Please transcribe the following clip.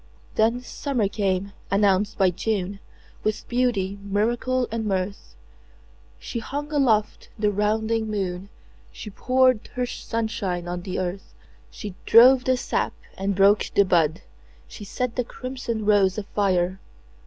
Then summer came, announced by June, With beauty, miracle and mirth. She hung aloft the rounding moon, She poured her sunshine on the earth, She drove the sap and broke the bud, She set the crimson rose afire.